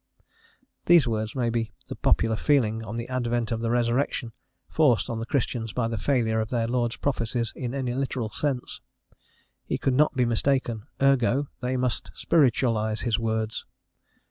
These words may be the popular feeling on the advent of the resurrection, forced on the Christians by the failure of their Lord's prophecies in any literal sense. He could not be mistaken, ergo they must spiritualise his words.